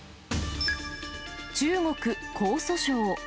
中国・江蘇省。